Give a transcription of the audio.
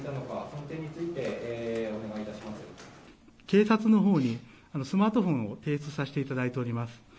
警察のほうにスマートフォンを提出させていただいております。